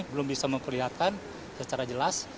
belum bisa memperlihatkan secara jelas